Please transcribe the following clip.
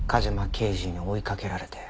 刑事に追いかけられて。